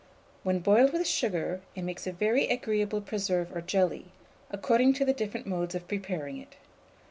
When boiled with sugar, it makes a very agreeable preserve or jelly, according to the different modes of preparing it.